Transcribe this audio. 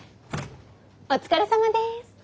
お疲れさまです。